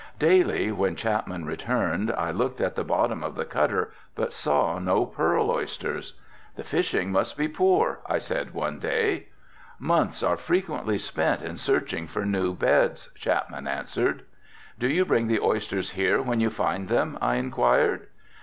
Daily when Chapman returned I looked in the bottom of the cutter but saw no pearl oysters. "The fishing must be poor," I said one day. "Months are frequently spent in searching for new beds," Chapman answered. "Do you bring the oysters here when you find them?" I inquired.